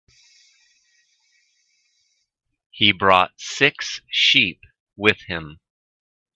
He brought six sheep with him.